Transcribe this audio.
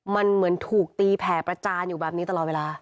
มันเหมือนถูกตีแผ่ประจานอยู่แบบนี้ตลอดเวลา